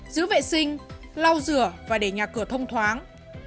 giữ vệ sinh lau rửa và để nhà cửa thông thoáng